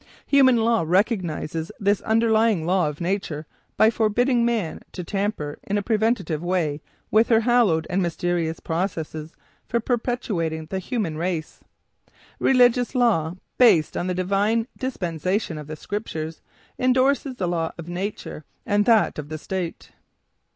Human law recognizes this underlying law of nature by forbidding man to tamper in a preventive way with her hallowed and mysterious processes for perpetuating the human race. Religious law, based on the divine dispensation of the Scriptures, indorses the law of nature and that of the state.